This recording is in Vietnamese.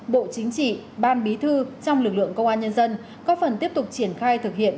bộ chính trị ban bí thư trong lực lượng công an nhân dân có phần tiếp tục triển khai thực hiện